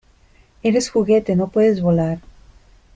¡ Eres juguete! ¡ no puedes volar !